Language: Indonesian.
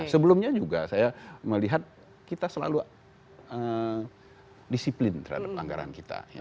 sebelumnya juga saya melihat kita selalu disiplin terhadap anggaran kita